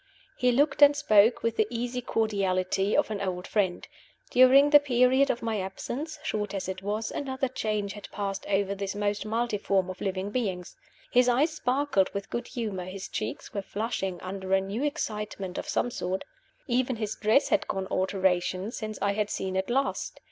He looked and spoke with the easy cordiality of an old friend. During the period of my absence, short as it was, another change had passed over this most multiform of living beings. His eyes sparkled with good humor; his cheeks were flushing under a new excitement of some sort. Even his dress had undergone alteration since I had seen it last.